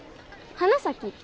花咲？